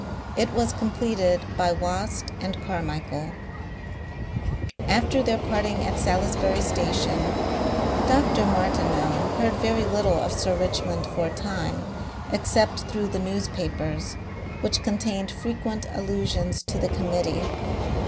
It was completed by Wast and Carmichael.... After their parting at Salisbury station Dr. Martineau heard very little of Sir Richmond for a time except through the newspapers, which contained frequent allusions to the Committee.